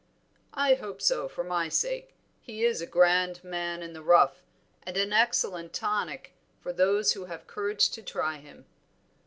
"I hope so, for my sake. He is a grand man in the rough, and an excellent tonic for those who have courage to try him."